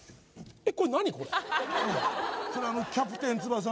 えっ？